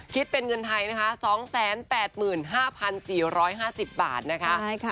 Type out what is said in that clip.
คิดเป็นเงินไทยนะคะ๒๘๕๔๕๐บาทนะคะ